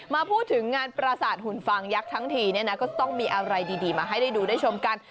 มาพูดถึงงานประสาทหุ่นฟางยักษ์ทั้งทีเนี่ยนะก็จะต้องมีอะไรดีมาให้ได้ดูได้ชมกัน